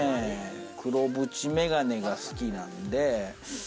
黒縁メガネが好きなんで。